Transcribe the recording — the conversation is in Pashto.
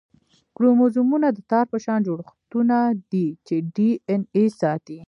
کروموزومونه د تار په شان جوړښتونه دي چې ډي این اې ساتي